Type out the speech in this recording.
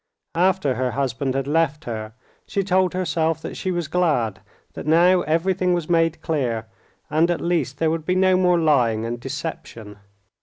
After her husband had left her, she told herself that she was glad, that now everything was made clear, and at least there would be no more lying and deception.